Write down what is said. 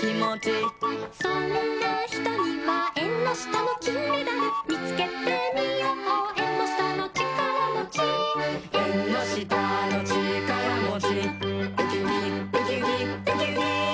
「そんなひとにはえんのしたのきんメダル」「みつけてみようえんのしたのちからもち」「えんのしたのちからもち」「ウキウキウキウキウキウキ」